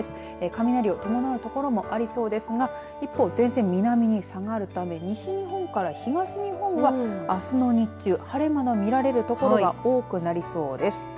雷を伴う所もありそうですが一方前線、南に下がるため西日本から東日本はあすの日中、晴れ間の見られる所が多くなりそうです。